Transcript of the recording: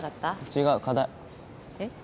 違う課題えっ？